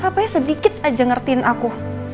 siapa yang sedikit aja ngertiin aku